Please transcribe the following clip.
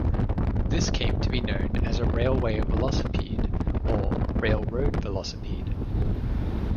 This came to be known as a "railway velocipede" or "railroad velocipede".